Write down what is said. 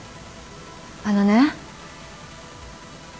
あのね